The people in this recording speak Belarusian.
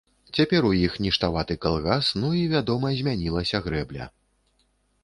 Цяпер у іх ніштаваты калгас, ну і, вядома, змянілася грэбля.